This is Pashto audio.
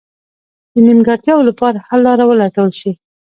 د نیمګړتیاوو لپاره حل لاره ولټول شي.